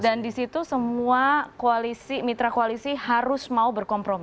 dan di situ semua koalisi mitra koalisi harus mau berkompromi